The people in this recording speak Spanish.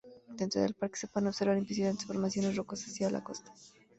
Dentro del parque se pueden observar impresionantes formaciones rocosas hacia la costa.